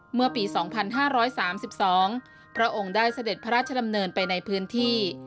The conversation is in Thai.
เมื่อปี๒๕๓๒พระองค์ได้เสด็จพระราชดำเนินไปในพื้นที่